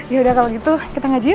ya udah kalau gitu kita ngaji yuk